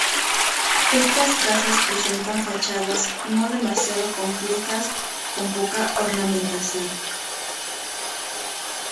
Estas casas presentan fachadas no demasiado complejas con poca ornamentación.